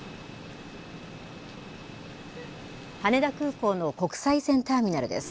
羽田空港の国際線ターミナルです。